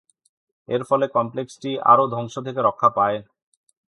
এর ফলে কমপ্লেক্সটি আরও ধ্বংস থেকে রক্ষা পায়।